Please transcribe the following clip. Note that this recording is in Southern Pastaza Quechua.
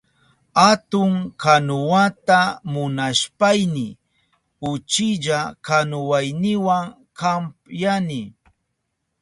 Atun kanuwata munashpayni uchilla kanuwayniwa kampyani.